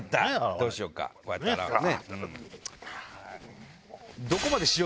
どうしようかこうやって洗うね。